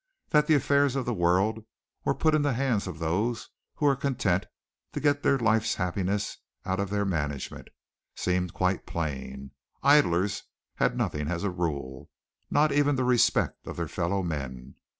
That the affairs of the world were put in the hands of those who were content to get their life's happiness out of their management, seemed quite plain. Idlers had nothing as a rule, not even the respect of their fellow men.